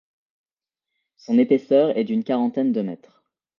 Son épaisseur est d'une quarantaine de mètres.